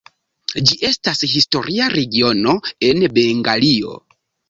Ĝi estas historia regiono en Bengalio.